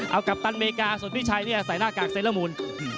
เอากัปตันอเมริกาส่วนพี่ชัยเนี่ยใส่หน้ากากเซลมูล